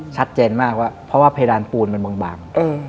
ชัดเจนมากว่าเพราะว่าเพดานปูนมันบาง